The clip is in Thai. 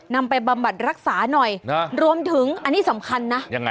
ไปบำบัดรักษาหน่อยนะรวมถึงอันนี้สำคัญนะยังไง